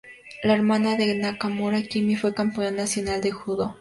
La hermana de Nakamura, Kimi, fue campeón nacional de judo.